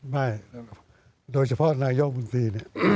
ไม่โดยเฉพาะนายกบุญศี